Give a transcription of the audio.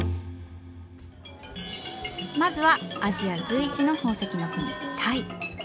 まずはアジア随一の宝石の国タイ。